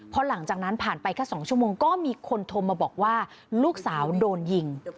พอหลังจากนั้นผ่านไปแค่๒ชั่วโมงก็มีคนโทรมาบอกว่าลูกสาวโดนยิง